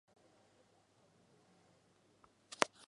弗热雷。